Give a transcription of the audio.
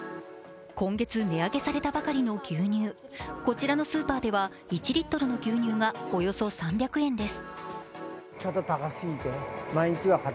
今月、値上げされたばかりの牛乳、こちらのスーパーでは１リットルの牛乳がおよそ３００円です。